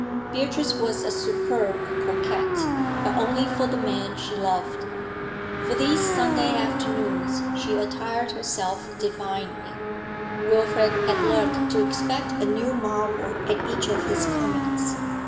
Beatrice was a superb coquette but only for the man she loved. For these Sunday afternoons she attired herself divinely; Wilfrid had learnt to expect a new marvel at each of his comings.